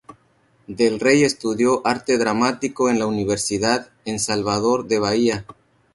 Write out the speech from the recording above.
Del Rey estudió arte dramático en la universidad, en Salvador de Bahía.